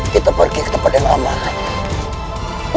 kita pergi ke tempat yang aman